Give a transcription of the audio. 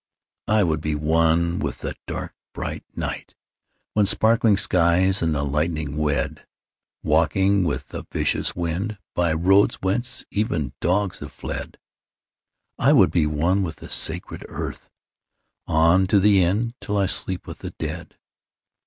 I would be one with the dark bright night When sparkling skies and the lightning wed— Walking on with the vicious wind By roads whence even the dogs have fled. I would be one with the sacred earth On to the end, till I sleep with the dead.